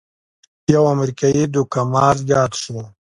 یو امریکايي دوکه مار یاد شو.